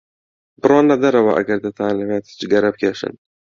بڕۆنە دەرەوە ئەگەر دەتانەوێت جگەرە بکێشن.